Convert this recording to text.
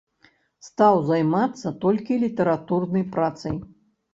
Стаў займацца толькі літаратурнай працай.